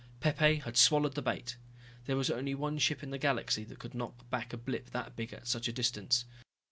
Pepe had swallowed the bait. There was only one ship in the galaxy that could knock back a blip that big at such a distance.